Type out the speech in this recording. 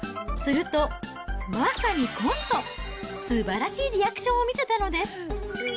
すると、まさにコント、すばらしいリアクションを見せたのです。